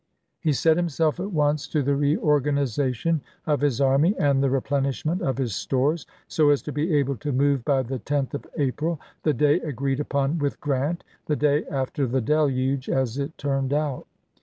He set himself at once to the reorganization of his army and the replenishment of his stores, so as to be able to move by the 10th of April, the day agreed upon with Grant — the day after the deluge, as it turned out.